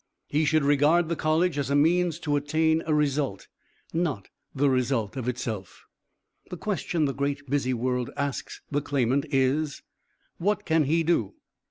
He should regard the college as a means to attain a result, not the result of itself. The question the great busy world asks the claimant is: What can he do?